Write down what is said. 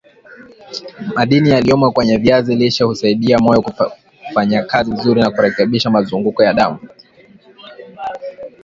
Madini yaliyomo kwenye viazi lishe husaidia moyo kufanyakazi vizuri na kurekebisha mzunguko wa damu